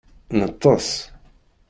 Neṭṭes.